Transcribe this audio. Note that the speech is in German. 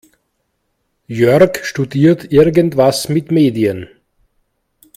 Jörg studiert irgendwas mit Medien.